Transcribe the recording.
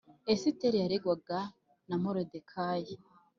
Esiteri yarerwa ga na molodekayi